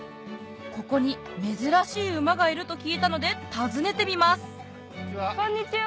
ここに珍しい馬がいると聞いたので訪ねてみますこんにちは。